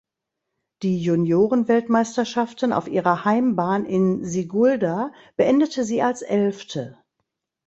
Die Juniorenweltmeisterschaften auf ihrer Heimbahn in Sigulda beendete sie als Elfte.